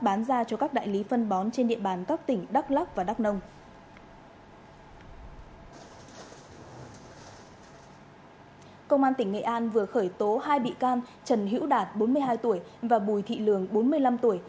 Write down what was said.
công an tỉnh nghệ an vừa khởi tố hai bị can trần hữu đạt bốn mươi hai tuổi và bùi thị lường bốn mươi năm tuổi